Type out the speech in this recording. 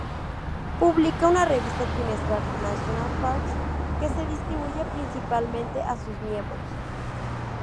Publica una revista trimestral, "National Parks", que se distribuye principalmente a sus miembros.